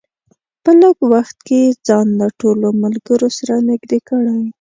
په لږ وخت کې یې ځان له ټولو ملګرو سره نږدې کړی.